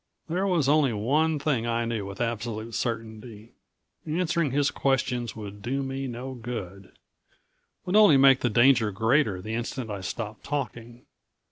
There was only one thing I knew with absolute certainty. Answering his questions would do me no good would only make the danger greater the instant I stopped talking.